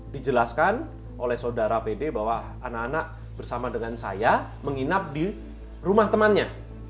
dijelaskan oleh saudara pd bahwa anak anak bersama dengan saya menginap di rumah temannya